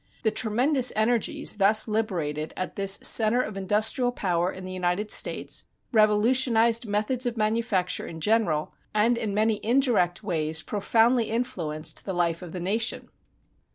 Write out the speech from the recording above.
The tremendous energies thus liberated at this center of industrial power in the United States revolutionized methods of manufacture in general, and in many indirect ways profoundly influenced the life of the nation.